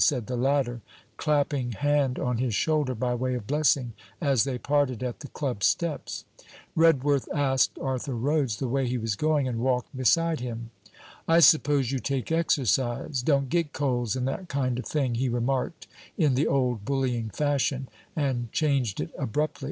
said the latter, clapping hand on his shoulder, by way of blessing, as they parted at the Club steps. Redworth asked Arthur Rhodes the way he was going, and walked beside him. 'I suppose you take exercise; don't get colds and that kind of thing,' he remarked in the old bullying fashion; and changed it abruptly.